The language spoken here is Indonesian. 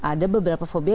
ada beberapa fobia